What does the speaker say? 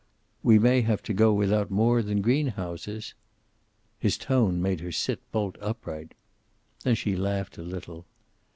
"We may have to go without more than greenhouses." His tone made her sit bolt upright. Then she laughed a little.